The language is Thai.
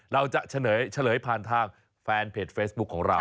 เราจะเฉลยผ่านทางแฟนเพจเฟซบุ๊คของเรา